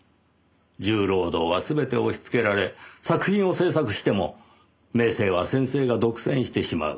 重労働は全て押しつけられ作品を制作しても名声は先生が独占してしまう。